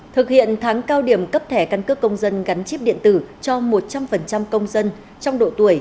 thực hiện tháng cao điểm cấp thẻ căn cước công dân gắn chip điện tử cho một trăm linh công dân trong độ tuổi